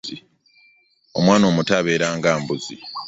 omwana omuto abeera nga mbuzi.